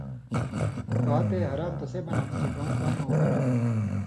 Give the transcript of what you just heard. پاتے حرام تسے بَناں تھہ چے کؤں کام اؤلہ نہ